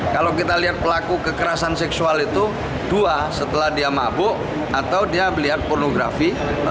kalau kita lihat pelaku kekerasan seksual itu dua setelah dia mabuk atau dia melihat pornografi